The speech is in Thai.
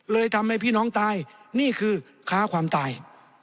ทำให้พี่น้องตายนี่คือค้าความตาย